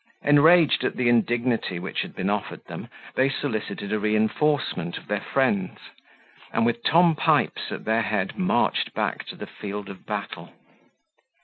Enraged at the indignity which had been offered them, they solicited a reinforcement of their friends, and, with Tom Pipes at their head, marched back to the field of battle.